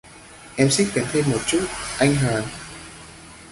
Em xích gần thêm một chút, anh hờn